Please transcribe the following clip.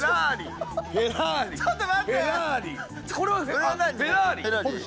ちょっと待って！